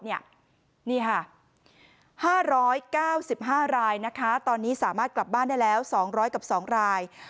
นี่ค่ะ๕๙๕รายนะคะตอนนี้สามารถกลับบ้านได้แล้ว๒๐๐กับ๒ราย